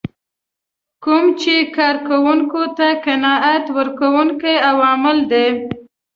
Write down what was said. کوم چې کار کوونکو ته قناعت ورکوونکي عوامل دي.